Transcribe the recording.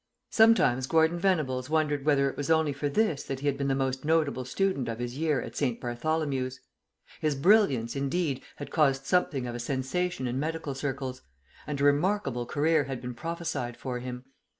Sometimes Gordon Venables wondered whether it was only for this that he had been the most notable student of his year at St. Bartholomew's. His brilliance, indeed, had caused something of a sensation in medical circles, and a remarkable career had been prophesied for him.